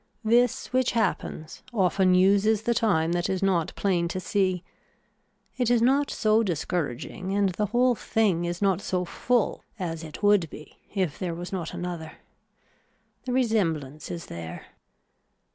This which happens often uses the time that is not plain to see. It is not so discouraging and the whole thing is not so full as it would be if there was not another. The resemblance is there.